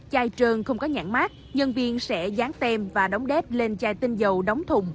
chai trơn không có nhãn mát nhân viên sẽ dán tem và đóng đét lên chai tinh dầu đóng thùng